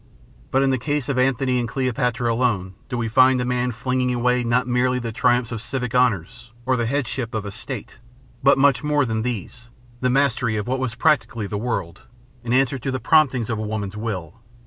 But in the case of Antony and Cleopatra alone do we find a man flinging away not merely the triumphs of civic honors or the headship of a state, but much more than these the mastery of what was practically the world in answer to the promptings of a woman's will.